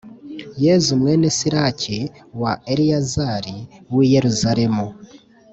Yezu mwene Siraki, wa Eleyazari w’i Yeruzalemu,